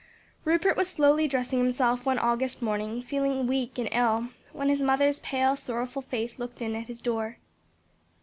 Rupert was slowly dressing himself one August morning, feeling weak and ill, when his mother's pale, sorrowful face looked in at his door.